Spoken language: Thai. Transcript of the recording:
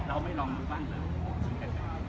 เราไม่รองด้วยบ้างหรอก